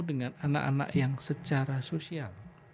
dengan anak anak yang secara sosial